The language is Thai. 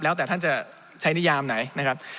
แล้วแต่ท่านจะใช้นิยามไหนนะครับ